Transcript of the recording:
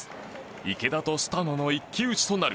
池田とスタノの一騎打ちとなる。